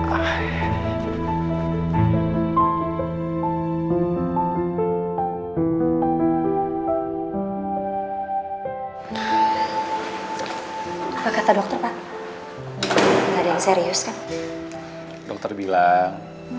apa kata dokter pak